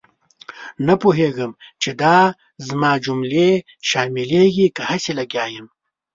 نه پوهېږم چې دا زما جملې شاملېږي که هسې لګیا یم.